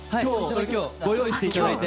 今日、ご用意していただいて。